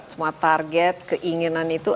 semua target keinginan itu